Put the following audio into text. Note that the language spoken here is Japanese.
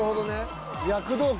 躍動感？